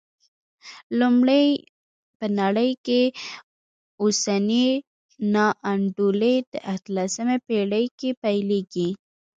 لومړی، په نړۍ کې اوسنۍ نا انډولي د اتلسمې پېړۍ کې پیلېږي.